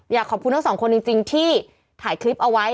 อยากขอบคุณทั้งสองคนจริงที่ถ่ายคลิปเอาไว้